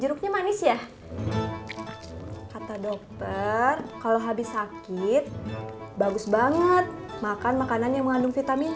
jeruknya manis ya kata dokter kalau habis sakit bagus banget makan makanan yang mengandung vitamin